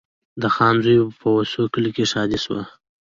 د خان زوی وسو په کلي کي ښادي سوه